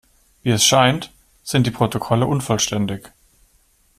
Wie es scheint, sind die Protokolle unvollständig.